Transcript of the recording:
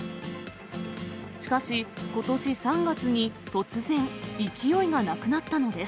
しかし、ことし３月に、突然、勢いがなくなったのです。